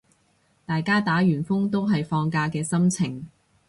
大家打完風都係放假嘅心情